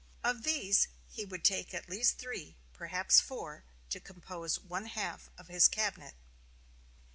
Of these he would take at least three, perhaps four, to compose one half of his cabinet.